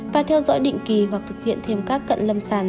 và theo dõi định kỳ hoặc thực hiện thêm các cận lâm sàng